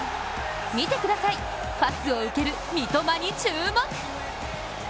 見てください、パスを受ける三笘に注目。